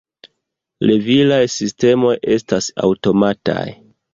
Levilaj sistemoj estas aŭtomataj.